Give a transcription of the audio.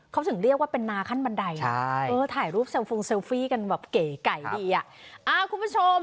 เขาถึงเรียกว่าเป็นนาขั้นบันไดถ่ายรูปเซลฟงเซลฟี่กันแบบเก๋ไก่ดีอ่ะคุณผู้ชม